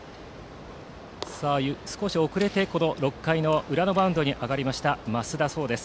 少し遅れて６回裏のマウンドに上がった増田壮です。